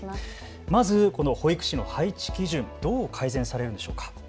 まず保育士の配置基準、どう改善されるんでしょうか。